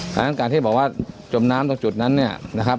เพราะฉะนั้นการที่บอกว่าจมน้ำตรงจุดนั้นเนี่ยนะครับ